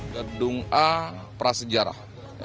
gedung a prasejarah